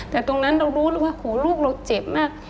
แต่ตรงนั้นเรารู้ว่าโอ้โฮลูกเราจิตมาก